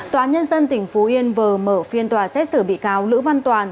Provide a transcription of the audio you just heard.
tòa nhân dân tỉnh phú yên vừa mở phiên tòa xét xử bị cáo lữ văn toàn